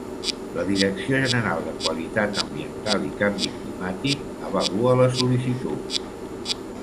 La Direcció General de Qualitat Ambiental i Canvi Climàtic avalua la sol·licitud.